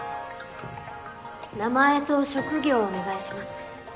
名前と職業をお願いします。